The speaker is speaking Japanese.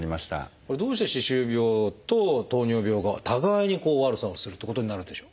どうして歯周病と糖尿病が互いに悪さをするってことになるんでしょう？